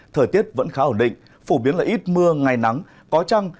thời tiết vẫn khá ổn định phổ biến là ít mưa ngày nắng có trăng